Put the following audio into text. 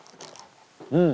うん。